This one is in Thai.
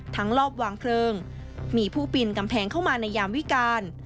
รอบวางเพลิงมีผู้ปีนกำแพงเข้ามาในยามวิการ